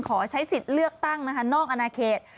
ขอใช้สิทธิ์เลือกตั้งนะคะนอกอนาเขต